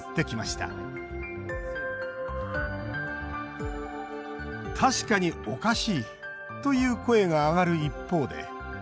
「たしかに、おかしい」という声が挙がる一方で。